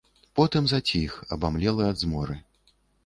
Потым заціх, абамлелы ад зморы.